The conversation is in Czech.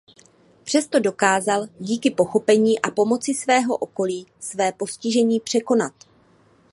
Přesto dokázal díky pochopení a pomoci svého okolí své postižení překonat.